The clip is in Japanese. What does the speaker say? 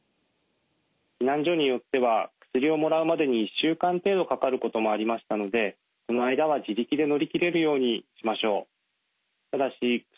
避難所によっては薬をもらうまでに１週間程度かかることもありましたのでその間は自力で乗り切れるようにしましょう。